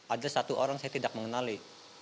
ada satu orang saya tidak mengenali